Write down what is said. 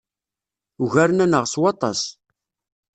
Ugaren-aneɣ s waṭas.